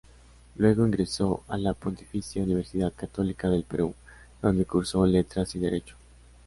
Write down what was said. Luego ingresó a la Pontificia Universidad Católica del Perú, donde cursó Letras y Derecho.